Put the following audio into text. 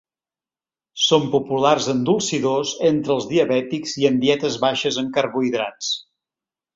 Són populars endolcidors entre els diabètics i en dietes baixes en carbohidrats.